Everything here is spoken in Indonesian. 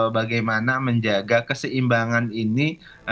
bagaimana menjaga keseimbangan ini